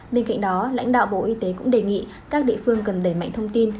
bên cạnh đó lãnh đạo bộ y tế cũng đề nghị các địa phương cần đẩy mạnh thông tin